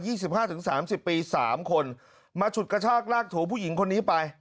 สิบห้าถึงสามสิบปีสามคนมาฉุดกระชากลากถูผู้หญิงคนนี้ไป